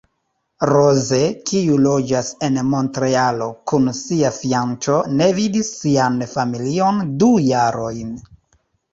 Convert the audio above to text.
Rose, kiu loĝas en Montrealo kun sia fianĉo, ne vidis sian familion du jarojn.